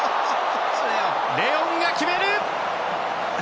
レオンが決める！